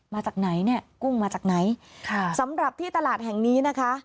มาจากไหนเนี่ยกุ้งมาจากไหนค่ะสำหรับที่ตลาดแห่งนี้นะคะ